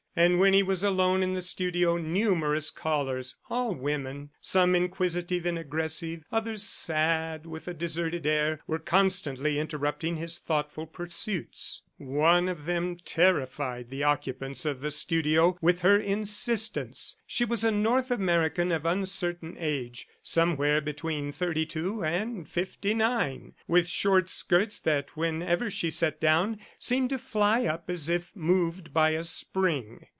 And when he was alone in the studio numerous callers all women, some inquisitive and aggressive, others sad, with a deserted air were constantly interrupting his thoughtful pursuits. One of them terrified the occupants of the studio with her insistence. She was a North American of uncertain age, somewhere between thirty two and fifty nine, with short skirts that whenever she sat down, seemed to fly up as if moved by a spring.